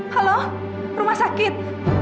halo rumah sakit